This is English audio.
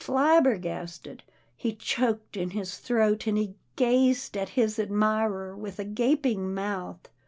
" Flabbergasted," he choked in his throat, and he gazed at his admirer with a gaping mouth.